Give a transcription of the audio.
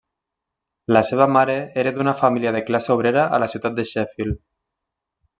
La seva mare era d'una família de classe obrera a la ciutat de Sheffield.